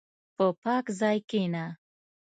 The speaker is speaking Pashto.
په پاک ځای کښېنه.